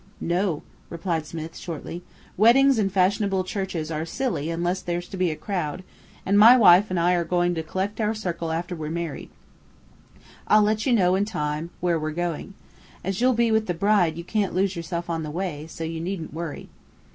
"No," replied, Smith, shortly. "Weddings in fashionable churches are silly unless there's to be a crowd; and my wife and I are going to collect our circle after we're married. I'll let you know in time where we are going. As you'll be with the bride you can't lose yourself on the way, so you needn't worry."